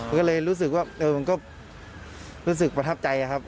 ก็เลยรู้สึกว่ารู้สึกประทับใจครับ